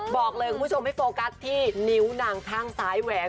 บอกเลยคุณผู้ชมให้โฟกัสที่นิ้วนางข้างซ้ายแหวน